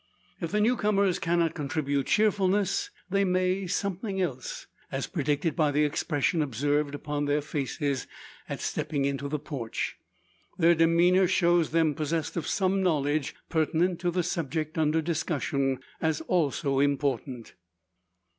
If the new comers cannot contribute cheerfulness, they may something else, as predicted by the expression observed upon their faces, at stepping into the porch. Their demeanour shows them possessed of some knowledge pertinent to the subject under discussion, as also important.